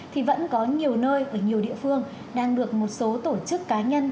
thì vẫn có nhiều nơi ở nhiều địa phương đang được một số tổ chức cá nhân